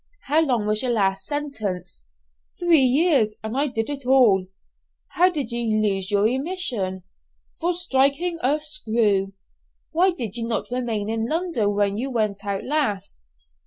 "How long was your last sentence?" "Three years, and I did it all." "How did you lose your remission?" "For striking a 'screw.'" "Why did you not remain in London when you went out last?"